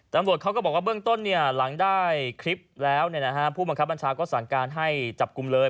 ตำรวจเขาก็บอกว่าเบื้องต้นหลังได้คลิปแล้วผู้บังคับบัญชาก็สั่งการให้จับกลุ่มเลย